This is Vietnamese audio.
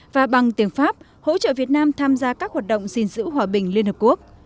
và bằng tiếng pháp hỗ trợ việt nam tham gia các hoạt động gìn giữ hòa bình liên hợp quốc